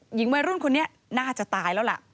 หญิงวัยรุ่นคนนี้น่าจะตายแล้วล่ะ